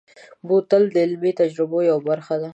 بوتل د علمي تجربو یوه برخه ده.